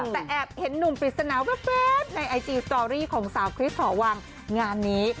แต่แอบเห็นหนุ่มปริศนาแว๊บในไอจีสตอรี่ของสาวคริสหอวังงานนี้